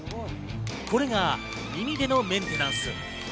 これが耳でのメンテナンス。